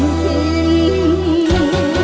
มันยุทธ์ที่ทำกันดีหรือ